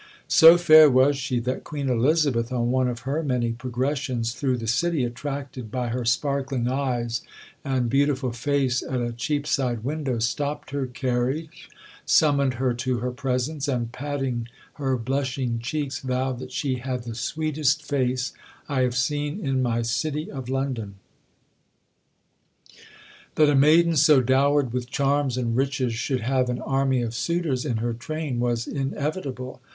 So fair was she that Queen Elizabeth, on one of her many progressions through the city, attracted by her sparkling eyes and beautiful face at a Cheapside window, stopped her carriage, summoned her to her presence, and, patting her blushing cheeks, vowed that she had "the sweetest face I have seen in my City of London." That a maiden so dowered with charms and riches should have an army of suitors in her train was inevitable.